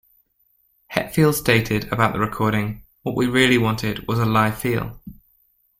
Hetfield stated about the recording: What we really wanted was a live feel.